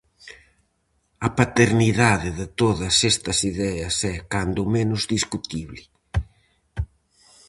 A paternidade de todas estas ideas é cando menos discutible.